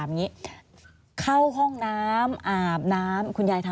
อันดับ๖๓๕จัดใช้วิจิตร